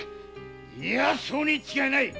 いやそうに違いない‼